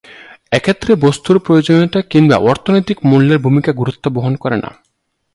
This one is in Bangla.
এক্ষেত্রে বস্তুর প্রয়োজনীয়তা কিংবা অর্থনৈতিক মূল্যের ভূমিকা গুরুত্ব বহন করে না।